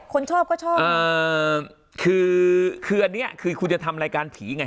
คนชอบก็ชอบคือคืออันนี้คือคุณจะทำรายการผีไง